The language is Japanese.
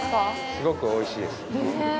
すごくおいしいです。